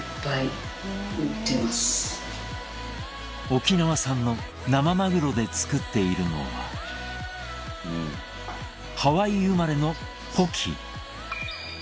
沖縄産の生マグロで作っているのはハワイ生まれのポキ。